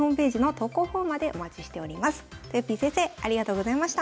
とよぴー先生ありがとうございました。